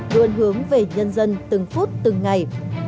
vươn hướng về nhân dân từng phút từng ngày